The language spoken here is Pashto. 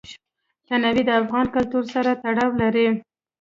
تنوع د افغان کلتور سره تړاو لري.